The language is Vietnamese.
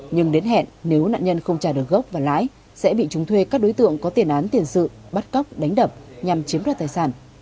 nhưng đến hẹn nếu nạn nhân không trả được gốc và lãi sẽ bị chúng thuê các đối tượng có tiền án tiền sự bắt cóc đánh đập nhằm chiếm đoạt tài sản